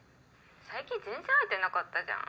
最近全然会えてなかったじゃん。